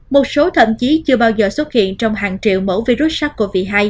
một số thậm chí chưa bao giờ xuất hiện trong hàng triệu mẫu virus sars cov hai